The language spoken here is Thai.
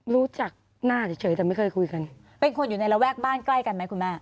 รู้จักหน้าเฉยแต่ไม่เคยคุยกัน